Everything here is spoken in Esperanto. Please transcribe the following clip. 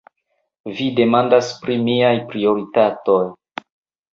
Vi demandas pri miaj prioritatoj.